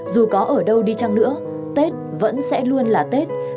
dù có ở đâu đi chăng nữa tết vẫn sẽ luôn là tết